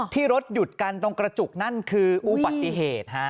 ที่รถหยุดกันตรงกระจุกนั่นคืออุบัติเหตุ